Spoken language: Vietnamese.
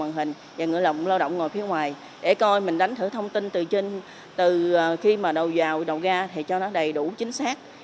các bộ tỉnh đã tự động lao động ngồi phía ngoài để coi mình đánh thử thông tin từ khi mà đầu vào đầu ra thì cho nó đầy đủ chính xác